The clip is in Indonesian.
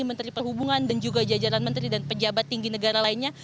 menteri perhubungan dan juga jajaran menteri dan pejabat tinggi negara lainnya